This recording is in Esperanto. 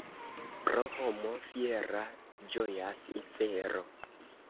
Pro homo fiera ĝojas infero.